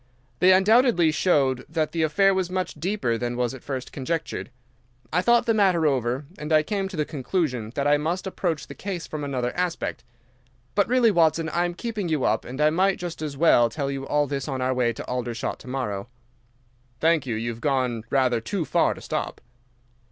They undoubtedly showed that the affair was much deeper than was at first conjectured. I thought the matter over, and I came to the conclusion that I must approach the case from another aspect. But really, Watson, I am keeping you up, and I might just as well tell you all this on our way to Aldershot to morrow." "Thank you, you have gone rather too far to stop."